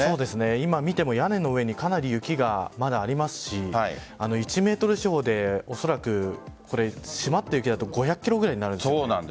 今見ても屋根の上にかなり雪がまだありますし１ｍ四方でおそらくしまった雪だと５００ｋｇくらいになります。